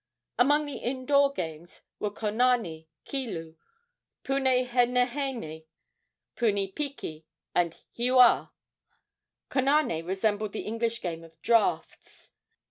Among the in door games were konane, kilu, puhenehene, punipiki, and hiua. Konane resembled the English game of draughts.